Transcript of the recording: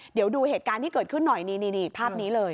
เดี๋ยวดูเหตุการณ์ที่เกิดขึ้นหน่อยนี่ภาพนี้เลย